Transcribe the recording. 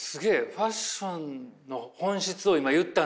ファッションの本質を今言ったんだ。